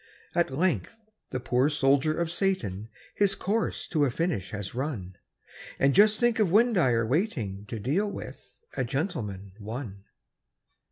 At length the poor soldier of Satan His course to a finish has run And just think of Windeyer waiting To deal with "A Gentleman, One"!